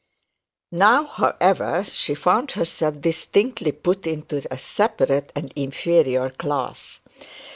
Now, however, she found herself distinctly put into a separate and inferior class.